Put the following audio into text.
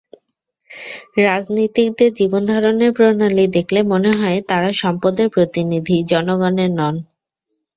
রাজনীতিকদের জীবনধারণের প্রণালি দেখলে মনে হয়, তাঁরা সম্পদের প্রতিনিধি, জনগণের নন।